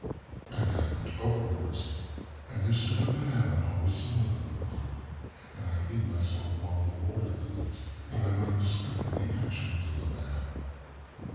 ŌĆ£And I looked upwards, and there stood a man upon the summit of the rock; and I hid myself among the water lilies that I might discover the actions of the man.